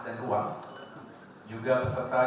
juga beserta jajaran kementerian atr bpn